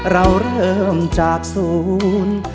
เราเริ่มจากศูนย์